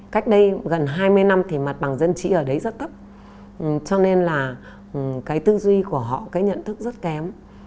cách đây gần hai mươi năm thì mặt bằng dân trí ở đấy rất thấp cho nên là cái tư duy của họ cái nhận thức rất kém